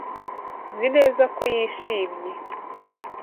Nzi neza ko yishimye.